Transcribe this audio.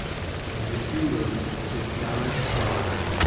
and in a few moments his gallant soul had fled.